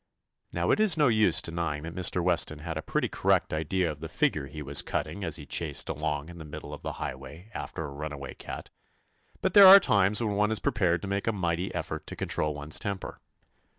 Now it is no use denying that Mr. Weston had a pretty correct idea of the figure he was cutting as he chased along in the middle of the highway after a runaway cat, but there are times when one is prepared to make a mighty effort to control one's temper.